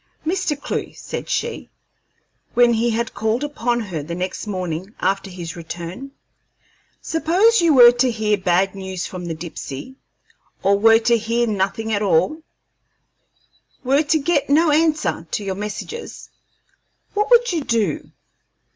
"Mr. Clewe," said she, when he had called upon her the next morning after his return, "suppose you were to hear bad news from the Dipsey, or were to hear nothing at all were to get no answer to your messages what would you do?"